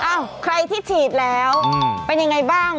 ใครที่ฉีดแล้วเป็นยังไงบ้าง